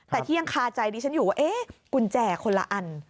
แต่ที่ยังคาใจดิฉันอยู่ว่าเอ๊ะกุญแจคนละอัน